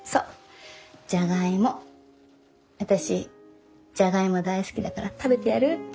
私ジャガイモ大好きだから食べてやるって。